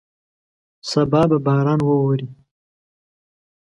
سبا به باران ووري.